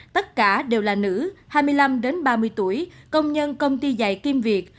tất cả đều là nữ hai mươi năm ba mươi tuổi công nhân công ty dày kim việt